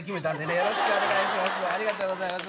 よろしくお願いします